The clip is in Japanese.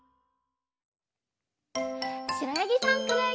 しろやぎさんくろやぎさん。